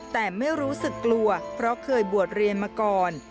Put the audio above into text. แต่ไม่รู้สึกกลัวเพราะเคยบวชเรียนมาก่อน